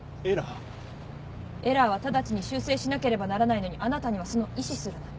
エラーは直ちに修正しなければならないのにあなたにはその意思すらない。